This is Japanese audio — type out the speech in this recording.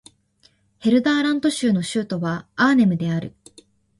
ヘルダーラント州の州都はアーネムである